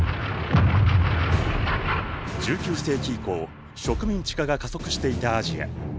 １９世紀以降植民地化が加速していたアジア。